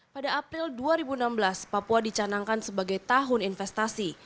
pada april dua ribu enam belas papua dicanangkan sebagai tahun investasi